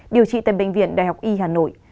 điều trị tại bệnh viện đại học y hà nội